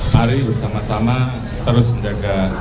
mari bersama sama terus menjaga